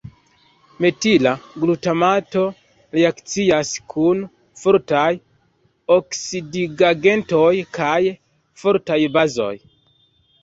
Metila glutamato reakcias kun fortaj oksidigagentoj kaj fortaj bazoj.